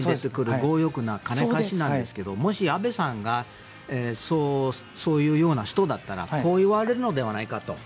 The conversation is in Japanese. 強欲な人なんですけどもし阿部さんがそういう人だったらこういわれるのではないかと。